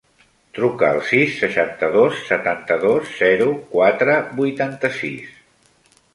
Truca al sis, seixanta-dos, setanta-dos, zero, quatre, vuitanta-sis.